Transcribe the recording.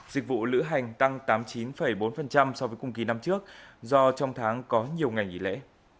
dịch vụ lữ hành tăng tám mươi chín bốn so với cùng kỳ năm trước do trong tháng có nhiều ngày nghỉ lễ